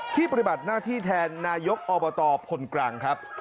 ปฏิบัติหน้าที่แทนนายกอบตพลกรังครับ